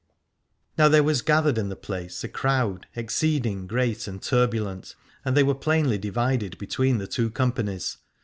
Now there was gathered in the place a crowd exceeding great and turbulent, and they were plainly divided between the two companies.